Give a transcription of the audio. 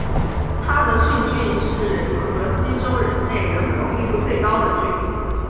哈德逊郡是纽泽西州内人口密度最高的郡。